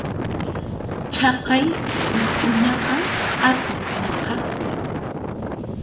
Chaqay wik'uñaqa atuq maqaqsi.